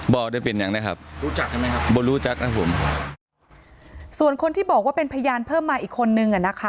ได้เป็นอย่างนะครับรู้จักใช่ไหมครับบ่อรู้จักครับผมส่วนคนที่บอกว่าเป็นพยานเพิ่มมาอีกคนนึงอ่ะนะคะ